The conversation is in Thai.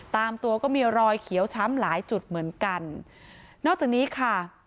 ตามตัวก็มีรอยเขียวช้ำหลายจุดเหมือนกันนอกจากนี้ค่ะ